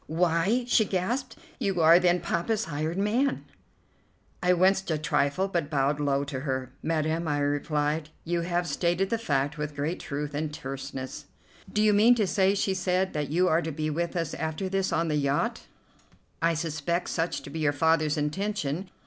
"Why!" she gasped, "you are, then, Poppa's hired man?" I winced a trifle, but bowed low to her. "Madam," I replied, "you have stated the fact with great truth and terseness." "Do you mean to say," she said, "that you are to be with us after this on the yacht?" "I suspect such to be your father's intention."